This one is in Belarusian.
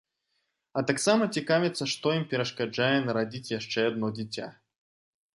А таксама цікавяцца, што ім перашкаджае нарадзіць яшчэ адно дзіця?